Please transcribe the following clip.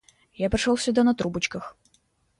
Я пришёл сюда на трубочках.